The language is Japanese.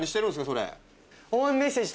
それ。